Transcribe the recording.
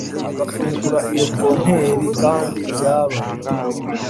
agafungura iyo kontineri kandi byaba